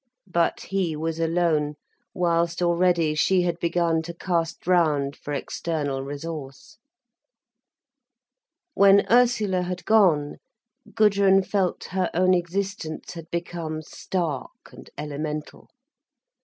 But he was alone, whilst already she had begun to cast round for external resource. When Ursula had gone, Gudrun felt her own existence had become stark and elemental.